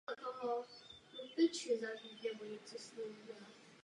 Podle jejich slov za její kariéru vděčí soutěži Miss.